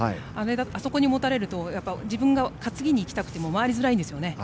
あそこに持たれる自分が担ぎにいきたくても回りづらいんですよね。